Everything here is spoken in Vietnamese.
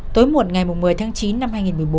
tối một ngày một mươi tháng chín năm hai nghìn một mươi bốn